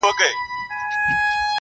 د ملا تر زړه وتلې د غم ستني -